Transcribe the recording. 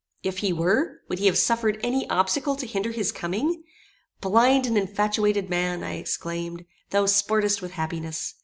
If he were, would he have suffered any obstacle to hinder his coming? Blind and infatuated man! I exclaimed. Thou sportest with happiness.